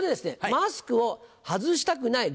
「マスクを外したくない理由とは？」。